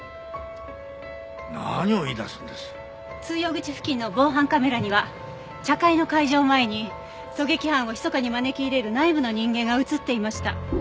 通用口付近の防犯カメラには茶会の開場前に狙撃犯をひそかに招き入れる内部の人間が映っていました。